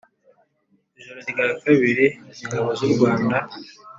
Ijoro rya kabiri ingabo z u rwanda